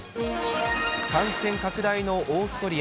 感染拡大のオーストリア。